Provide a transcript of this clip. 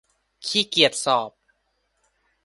ขี้เกียจสอบ